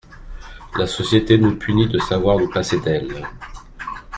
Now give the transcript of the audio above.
La société nous punit de savoir nous passer d’elle !